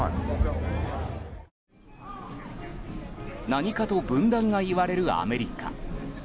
何かと分断が言われるアメリカ。